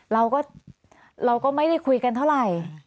เราก็เราก็ไม่ได้คุยกันเท่าไหร่